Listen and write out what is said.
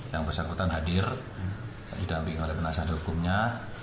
yang bersangkutan hadir didampingi oleh penangsaan hukumnya